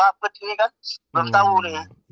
habit ini kan belum tahu nih